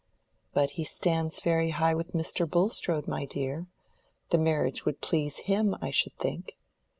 "But he stands very high with Mr. Bulstrode, my dear. The marriage would please him, I should think."